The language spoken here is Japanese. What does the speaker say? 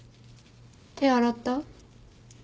手洗った？